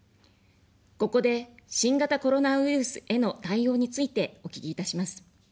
ここで、新型コロナウイルスへの対応についてお聞きいたします。